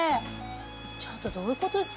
ちょっとどういうことですか？